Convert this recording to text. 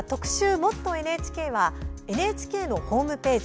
「もっとＮＨＫ」はＮＨＫのホームページ